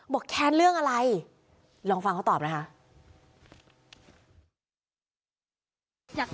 แค้นเรื่องอะไรลองฟังเขาตอบนะคะ